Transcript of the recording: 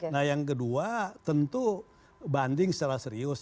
nah yang kedua tentu banding secara serius